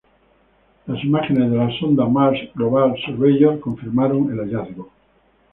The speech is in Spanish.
Las imágenes de la sonda Mars Global Surveyor confirmaron el hallazgo.